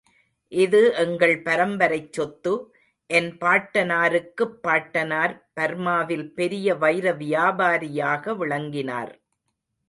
இது எங்கள் பரம்பரைச் சொத்து, என்பாட்டனாருக்குப் பாட்டனார், பர்மாவில் பெரிய வைரவியாபாரியாக விளங்கினார்.